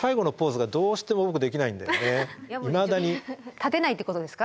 立てないってことですか？